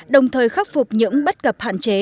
đồng thời khắc phục những bất cập hạn chế